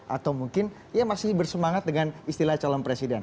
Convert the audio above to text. atau mungkin ia masih bersemangat dengan istilah calon presiden